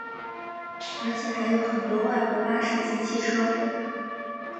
而且还有很多外国巴士及汽车。